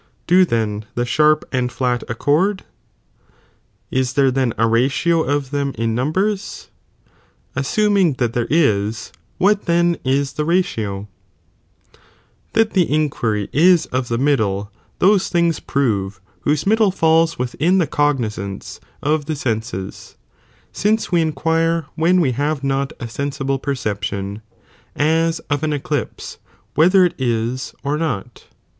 Do then the sharp and flat accord ? is there then a ratio of them in numbers ? as suming that there is, what then is the ratio ? That the inquiry is of the middle those things prove whose middle falls within the cognizance of fn,„Jw, JJJ the senses, since we inquire when we have not a MiMc a tiu sensible perception, as of an eclipse, whether it is iniffii «u«, or not.